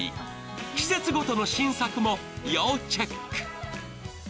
季節ごとの新作も要チェック。